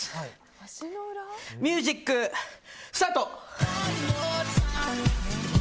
ミュージックスタート！